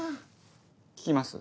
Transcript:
聞きます？